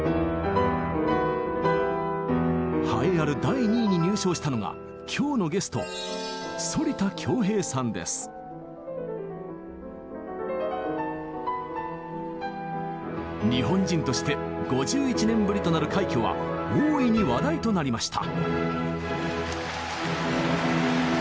栄えある第２位に入賞したのが今日のゲスト日本人として５１年ぶりとなる快挙は大いに話題となりました。